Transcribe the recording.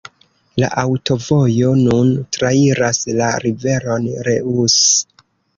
La aŭtovojo nun trairas la riveron Reuss.